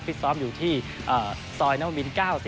ฟิศซ้อมอยู่ที่ซอยน้ำบิน๙๕